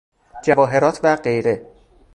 جواهرات و غیره